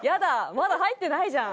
まだ入ってないじゃん。